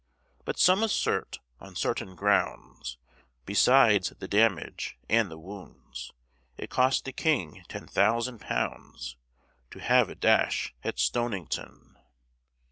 But some assert, on certain grounds (Besides the damage and the wounds), It cost the king ten thousand pounds To have a dash at Stonington.